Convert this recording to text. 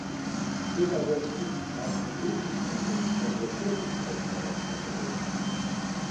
Später wurden Pizzen auch von griechischen und insbesondere türkischen Restaurants angeboten.